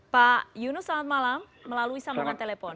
pak yunus selamat malam melalui sambungan telepon